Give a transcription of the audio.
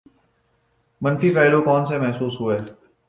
، منفی پہلو کون سے محسوس ہوئے؟